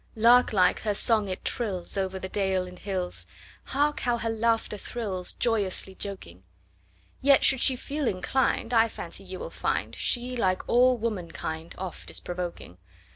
Lark like, her song it trillsOver the dale and hills. Hark, how her laughter thrills! Joyously joking:Yet, should she feel inclin'd,I fancy you will find, She, like all womankind, Oft is provoking.